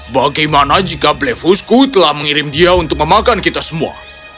bagaimana jika blefusku telah mengirim dia untuk memakan kita semua